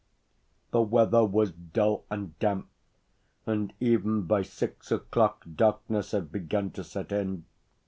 The weather was dull and damp, and even by six o'clock, darkness had begun to set in.